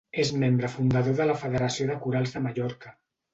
És membre fundador de la Federació de Corals de Mallorca.